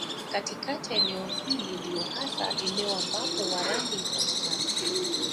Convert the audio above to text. Katikati ya eneo hili ndiyo hasa eneo ambapo Warangi hupatikana